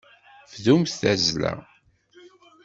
Bdumt tazzla.